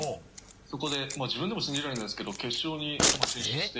そこで自分でも信じられないんですけど決勝に進出して。